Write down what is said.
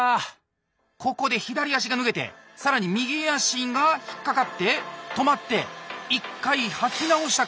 ここで左足が脱げて更に右足が引っ掛かって止まって１回履き直したか。